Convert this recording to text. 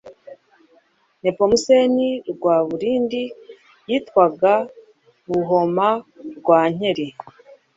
nepomuseni rwaburindi yatwaraga buhoma-rwankeri